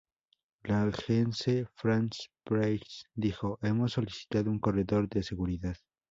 La Agence France-Presse dijo "hemos solicitado un corredor de seguridad.